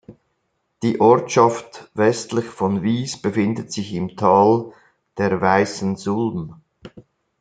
Die Ortschaft westlich von Wies befindet sich im Tal der Weißen Sulm.